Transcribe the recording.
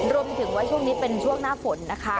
รวมถึงว่าช่วงนี้เป็นช่วงหน้าฝนนะคะ